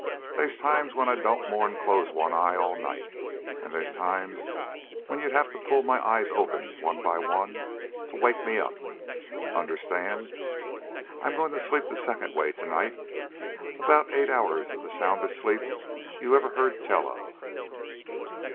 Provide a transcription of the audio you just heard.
They's times when I don't more'n close one eye all night, and they's times when you'd have to pull my eyes open, one by one, to wake me up. Understand? I'm going to sleep the second way tonight. About eight hours of the soundest sleep you ever heard tell of."